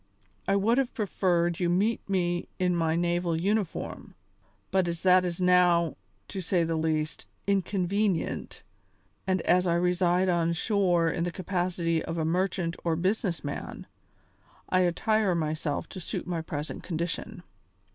I would have preferred you to meet me in my naval uniform, but as that is now, to say the least, inconvenient, and as I reside on shore in the capacity of a merchant or business man, I attire myself to suit my present condition.